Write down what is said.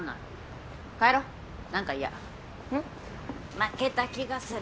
負けた気がする。